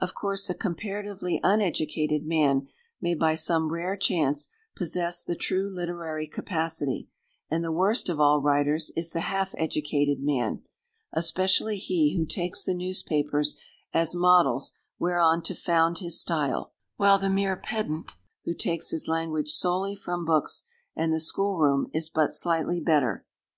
Of course a comparatively uneducated man may by some rare chance possess the true literary capacity; and the worst of all writers is the half educated man, especially he who takes the newspapers as models whereon to found his style; while the mere pedant who takes his language solely from books and the school room is but slightly better.